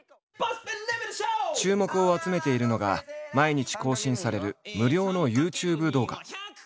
注目を集めているのが毎日更新される無料のＹｏｕＴｕｂｅ動画。